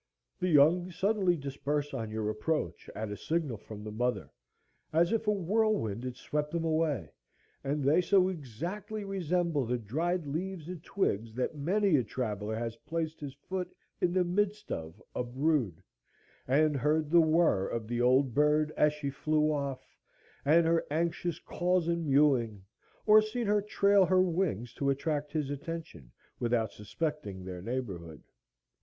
The young suddenly disperse on your approach, at a signal from the mother, as if a whirlwind had swept them away, and they so exactly resemble the dried leaves and twigs that many a traveler has placed his foot in the midst of a brood, and heard the whir of the old bird as she flew off, and her anxious calls and mewing, or seen her trail her wings to attract his attention, without suspecting their neighborhood.